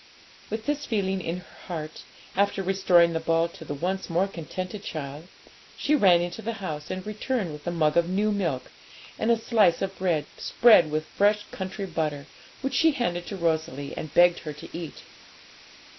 With this feeling in her heart, after restoring the ball to the once more contented child, she ran into the house, and returned with a mug of new milk, and a slice of bread, spread with fresh country butter, which she handed to Rosalie and begged her to eat.